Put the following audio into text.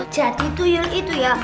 jadi tuyul itu ya